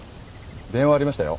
電話ありましたよ。